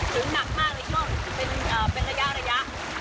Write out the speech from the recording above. ถึงหนักมากในช่วงเป็นระยะระยะ